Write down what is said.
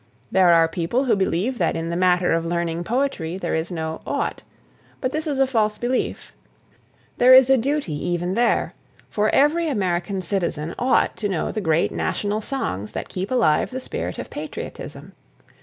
There are people who believe that in the matter of learning poetry there is no "ought," but this is a false belief. There is a duty, even there; for every American citizen ought to know the great national songs that keep alive the spirit of patriotism.